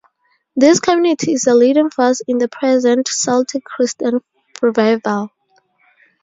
This community is a leading force in the present Celtic Christian revival.